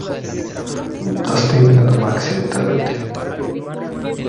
Dustin la toma accidentalmente.